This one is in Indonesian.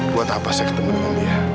buat apa saya ketemu dengan dia